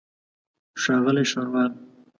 ښاغلی ښاروال.